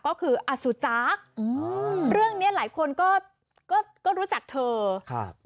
ก็คืออสุจักรอืมเรื่องเนี้ยหลายคนก็ก็รู้จักเธอครับ